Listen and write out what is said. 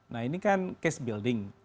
nah ini kan case building